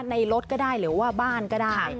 รถก็ได้หรือว่าบ้านก็ได้